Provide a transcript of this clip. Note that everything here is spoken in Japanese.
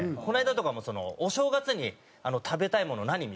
この間とかも「お正月に食べたいもの何？」